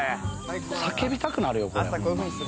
叫びたくなるよ。